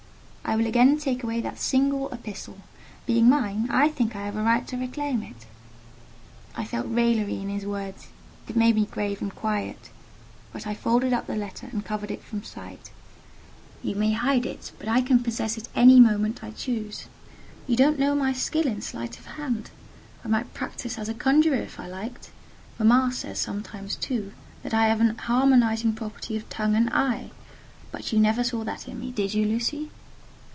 "I will again take away that single epistle: being mine, I think I have a right to reclaim it." I felt raillery in his words: it made me grave and quiet; but I folded up the letter and covered it from sight. "You may hide it, but I can possess it any moment I choose. You don't know my skill in sleight of hand; I might practise as a conjuror if I liked. Mamma says sometimes, too, that I have a harmonizing property of tongue and eye; but you never saw that in me—did you, Lucy?"